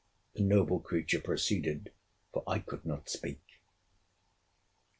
The noble creature proceeded; for I could not speak.